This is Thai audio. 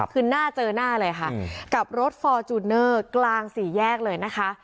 คือหน้าเจอหน้าเลยค่ะกับรถฟอร์จูเนอร์กลางสี่แยกเลยนะคะ